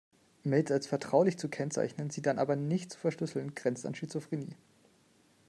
Mails als vertraulich zu kennzeichnen, sie dann aber nicht zu verschlüsseln, grenzt an Schizophrenie.